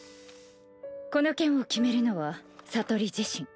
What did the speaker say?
この件を決めるのは聡里自身。